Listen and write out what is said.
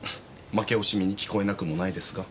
負け惜しみに聞こえなくもないですが。